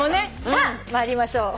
さあ参りましょう。